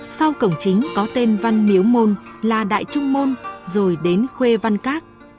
sau cổng chính có tên văn miếu môn là đại trung môn rồi đến khuê văn các